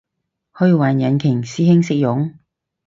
虛幻引擎？師兄識用？